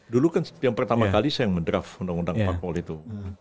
dulu kan yang pertama kali saya mendraft undang undang parpol itu